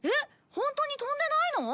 ホントに飛んでないの？